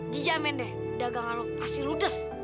dijamin deh dagangan pasti ludes